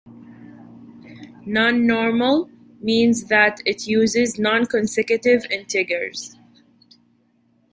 Non-normal means that it uses non-consecutive integers.